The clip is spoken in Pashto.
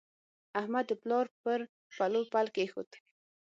احمد د پلار پر پلو پل کېښود.